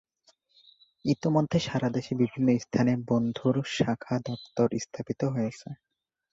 ইতোমধ্যে সারা দেশে বিভিন্ন স্থানে বন্ধু’র শাখা দপ্তর স্থাপিত হয়েছে।